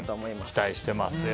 期待してますよ。